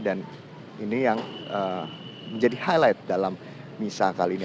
dan ini yang menjadi highlight dalam misal kali ini